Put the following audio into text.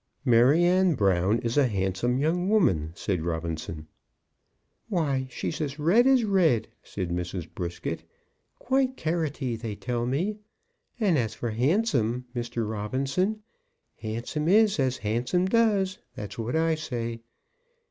"Maryanne Brown is a handsome young woman," said Robinson. "Why, she's as red as red," said Mrs. Brisket; "quite carroty, they tell me. And as for handsome, Mr. Robinson; handsome is as handsome does; that's what I say.